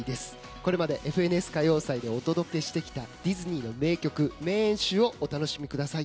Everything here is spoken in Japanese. これまで「ＦＮＳ歌謡祭」でお届けしてきたディズニーの名曲・名演集をお楽しみください。